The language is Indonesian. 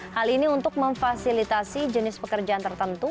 hal ini untuk memfasilitasi jenis pekerjaan tertentu